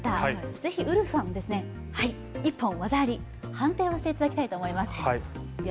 ぜひウルフさんも一本技あり判定していただきたいと思います。